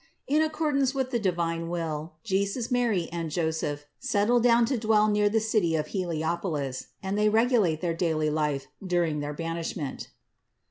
IN ACCORDANCE WITH THE DIVINE WILL, JESUS, MARY AND JOSEPH SETTLE DOWN TO DWELL NEAR THE CITY OF HELIOPOLIS AND THEY REGULATE THEIR DAILY LIFE DURING THEIR BANISHMENT.